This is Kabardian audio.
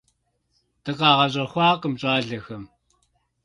ДыкъагъэщӀэхъуакъым щӀалэхэм.